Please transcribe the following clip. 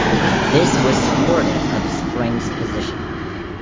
This was supportive of Spring's position.